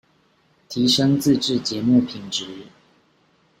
提昇自製節目品質